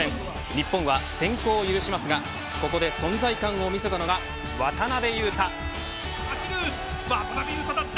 日本は先行を許しますがここで存在感を見せたのが渡邊雄太。